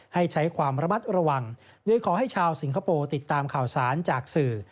ให้ใช้ความระมัดระวังโดยขอให้ชาวสิงคโปร์ติดตามข่าวสารจากสื่อ